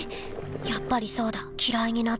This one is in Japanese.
やっぱりそうだきらいになったんだ。